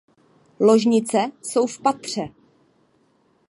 Ložnice jsou v patře.